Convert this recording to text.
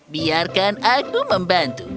biarkan aku membantu